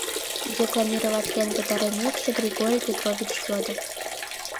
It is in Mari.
Декламироватлен пытарымекше, Григорий Петрович йодо: